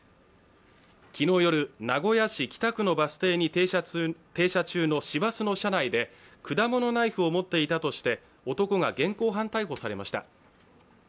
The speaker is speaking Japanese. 昨日夜、名古屋市北区のバス停に駐車中の市バスの車内で果物ナイフを持っていたとして男が現行犯逮捕されました。